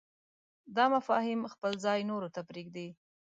دا مفاهیم خپل ځای نورو ته پرېږدي.